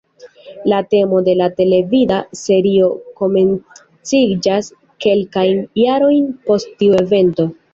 La temo de la televida serio komenciĝas kelkajn jarojn post tiu evento.